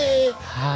はい。